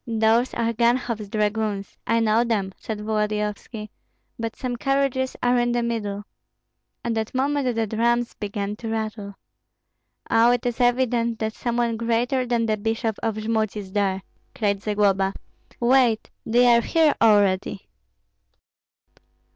"Those are Ganhoff's dragoons, I know them," said Volodyovski; "but some carriages are in the middle!" At that moment the drums began to rattle. "Oh, it is evident that some one greater than the bishop of Jmud is there!" cried Zagloba. "Wait, they are here already."